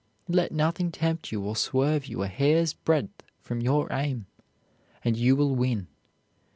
Let nothing tempt you or swerve you a hair's breadth from your aim, and you will win.